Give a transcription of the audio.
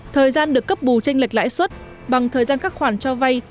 thời gian được cấp bù tranh lệch lãi suất bằng thời gian các khoản cho vay